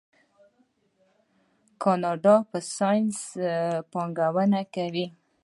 کاناډا په ساینس پانګونه کوي.